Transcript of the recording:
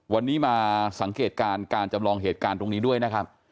วันนี้มาสังเกตการณ์การจำลองเหตุการณ์ตรงนี้ด้วยนะครับ